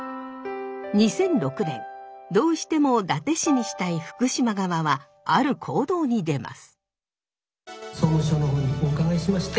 ２００６年どうしても伊達市にしたい福島側はある行動に出ます。